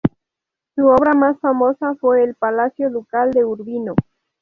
Su obra más famosa fue el Palacio Ducal de Urbino.